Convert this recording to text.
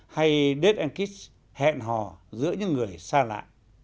hay dead kitsch hẹn hò giữa những người xa lạ